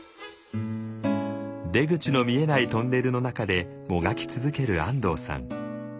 出口の見えないトンネルの中でもがき続ける安藤さん。